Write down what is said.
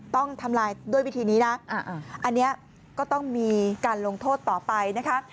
ต้องทำลายด้วยวิธีนี้นะอันนี้ก็ต้องมีการลงโทษต่อไปนะคะ